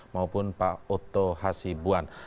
maupun pak otto hasibuan